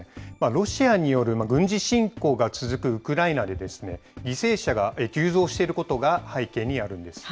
ロシアによる軍事侵攻が続くウクライナでですね、犠牲者が急増していることが背景にあるんです。